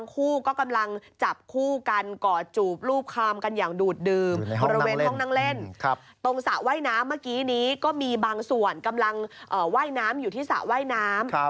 ตรงสระว่ายน้ำเมื่อกี้นี้ก็มีบางส่วนกำลังว่ายน้ำอยู่ที่สระว่ายน้ำ